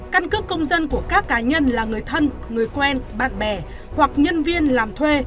căn cước công dân của các cá nhân là người thân người quen bạn bè hoặc nhân viên làm thuê